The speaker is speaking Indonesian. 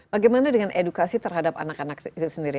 bagaimana dengan edukasi terhadap anak anak itu sendiri